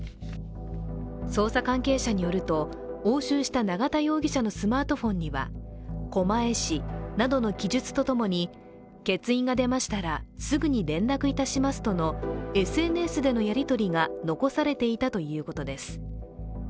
捜査関係者によると押収した永田容疑者のスマートフォンには狛江市などの記述とともに欠員が出ましたらすぐに連絡致しますとのＳＮＳでのやりとりが残されていたということです。